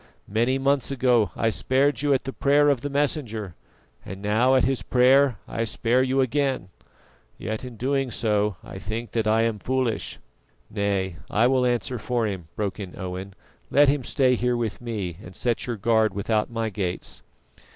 Many months ago I spared you at the prayer of the Messenger; and now at his prayer I spare you again, yet in doing so I think that I am foolish." "Nay, I will answer for him," broke in Owen. "Let him stay here with me, and set your guard without my gates."